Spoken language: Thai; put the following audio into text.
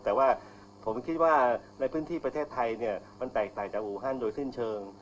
แต่ว่าผมคิดว่าในพื้นที่ประเทศไทยเนี่ยมันแตกต่างจากอูฮันโดยสิ้นเชิง